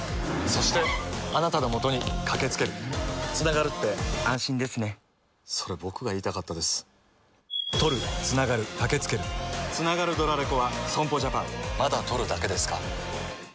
そして、あなたのもとにかけつけるつながるって安心ですねそれ、僕が言いたかったですつながるドラレコは損保ジャパンまだ録るだけですか？